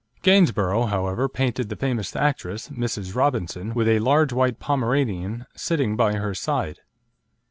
Gainsborough, however, painted the famous actress, Mrs. Robinson, with a large white Pomeranian sitting by her side.